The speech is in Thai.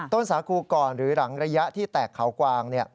สาคูก่อนหรือหลังระยะที่แตกเขากวาง